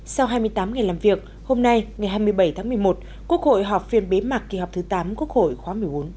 sau hai mươi tám ngày làm việc hôm nay ngày hai mươi bảy tháng một mươi một quốc hội họp phiên bế mạc kỳ họp thứ tám quốc hội khóa một mươi bốn